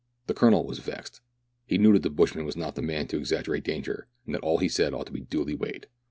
The Colonel was vexed. He knew that the bushman was not the man to exaggerate danger, and that all he said ought to be duly weighed.